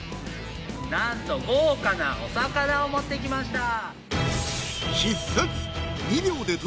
何と豪華なお魚を持ってきました。